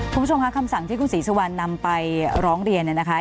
คุณผู้ชมค่ะคำสั่งที่คุณศรีสุวรรณนำไปร้องเรียนเนี่ยนะคะ